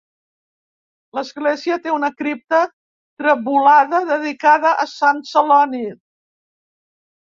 L'església té una cripta trevolada dedicada a sant Celoni.